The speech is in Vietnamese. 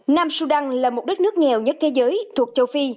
nam sudan là một đất nước nghèo nhất thế giới thuộc châu phi